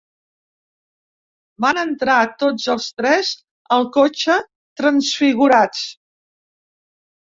Vam entrar tots tres al cotxe transfigurats.